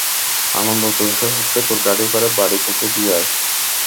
আনন্দ, তোর শ্বশুরকে তোর গাড়ি করে বাড়ি পৌছে দিয়ে আয়।